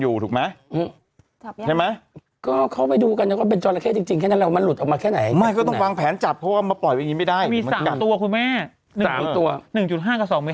เหมือนตัวละเข้กกัดคุณแม่กับคุณแม่คุณแม่ก็เวอะหว่างเหมือนกันนะ